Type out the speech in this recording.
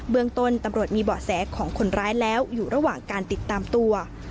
เมืองต้นตำรวจมีเบาะแสของคนร้ายแล้วอยู่ระหว่างการติดตามตัว